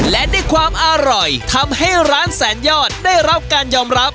และด้วยความอร่อยทำให้ร้านแสนยอดได้รับการยอมรับ